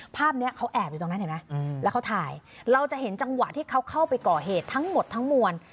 ภาพนี้เขาแอบอยู่ตรงนั้นเห็นไหมแล้วเขาถ่ายเราจะเห็นจังหวะที่เขาเข้าไปก่อเหตุทั้งหมดทั้งมวล